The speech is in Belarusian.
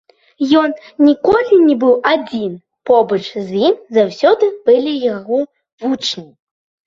Ён ніколі не быў адзін, побач з ім заўсёды былі яго вучні.